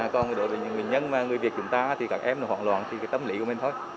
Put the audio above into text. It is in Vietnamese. còn đối với những bệnh nhân mà người việt chúng ta thì các em nó hoảng loạn thì cái tâm lý của mình thôi